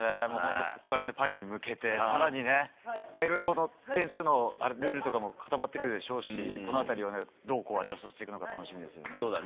ここからパリに向けて、さらにね、いろいろこの点数のルールとかも固まってくるでしょうし、このあたりをね、どうアジャストしていくのか、楽しみですよね。